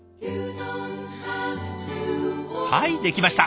はい出来ました。